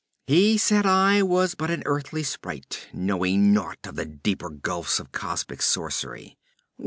'He said I was but an earthly sprite, knowing naught of the deeper gulfs of cosmic sorcery.